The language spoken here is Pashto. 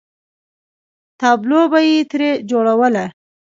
تابلو به یې ترې جوړوله.